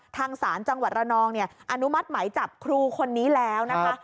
ทางศาลจังหวัดระนองอนุมัติไหมจับครูคนนี้แล้วนะคะ